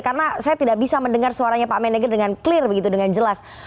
karena saya tidak bisa mendengar suaranya pak manager dengan jelas